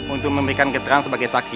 untuk memberikan keterangan sebagai saksi